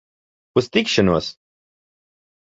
Uz tikšanos!